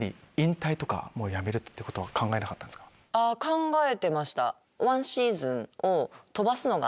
考えてました。